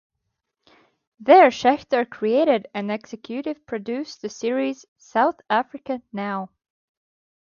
There Schechter created and executive-produced the series "South Africa Now".